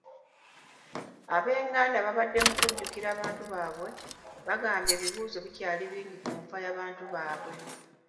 Ab'enganda ababadde mu kujjukira abantu baabwe, bagamba ebibuuzo bikyali bingi ku nfa y'abantu baabwe.